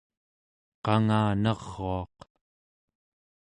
qanganaruaq